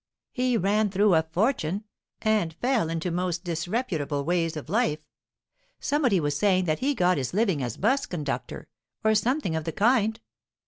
He ran through a fortune, and fell into most disreputable ways of life. Somebody was saying that he got his living as 'bus conductor, or something of the kind."